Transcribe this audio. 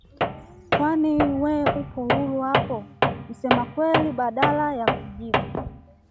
“Kwani we upo huru hapo?” Msemakweli badala ya kujibu